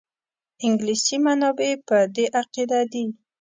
انګلیسي منابع په دې عقیده دي.